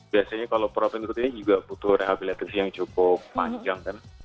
biasanya kalau protein juga butuh rehabilitasi yang cukup panjang kan